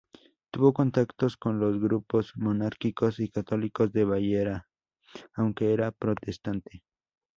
Tuvo contactos con los grupos monárquicos y católicos de Baviera aunque era protestante.